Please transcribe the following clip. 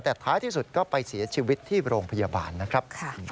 แต่ท้ายที่สุดก็ไปเสียชีวิตที่โรงพยาบาลนะครับ